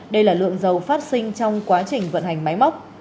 đây là lượng dầu phát sinh trong quá trình vận hành máy móc